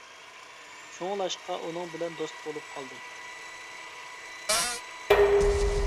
شۇڭلاشقا، ئۇنىڭ بىلەن دوست بولۇپ قالدىم.